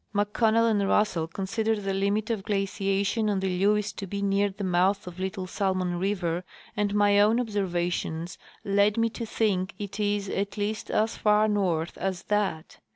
McConnell and Russell considered the limit of giaciation on the LcAves to be near the mouth of Little Salmon river, and ' my OAvn observations led me to think it is at least as far north LimU of an, cient Glaciation. 159 as that.